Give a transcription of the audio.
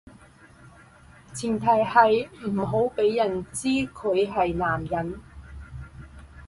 前提係唔好畀人知佢係男人